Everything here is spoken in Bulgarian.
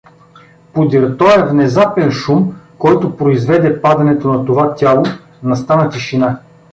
Подир тоя внезапен шум, който произведе падането на това тяло, настана тишина.